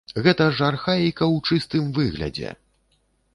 Гэта ж архаіка ў чыстым выглядзе!